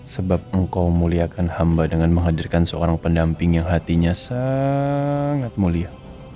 sebab engkau muliakan hamba dengan menghadirkan seorang pendamping yang hatinya sangat mulia